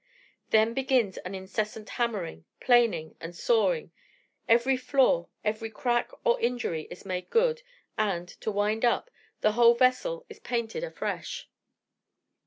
Then begins an incessant hammering, planing, and sawing; every flaw, every crack or injury is made good, and, to wind up, the whole vessel is painted afresh.